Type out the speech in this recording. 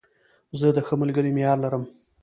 زه د ښه ملګري معیار لرم.